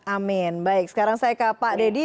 amin baik sekarang saya ke pak deddy